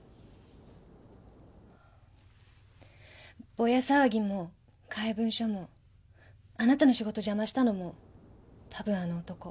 ボヤ騒ぎも怪文書もあなたの仕事邪魔したのもたぶんあの男。